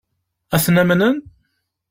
Ad ten-amnen?